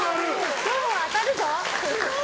今日は当たるぞ。